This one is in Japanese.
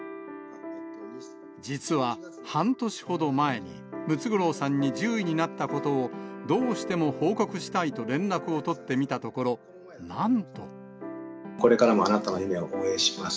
実は、半年ほど前に、ムツゴロウさんに獣医になったことをどうしても報告したいと連絡これからもあなたの夢を応援します。